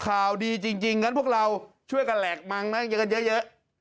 ข่าวดีจริงงั้นพวกเราช่วยกันแหลกมังนะเจอกันเยอะ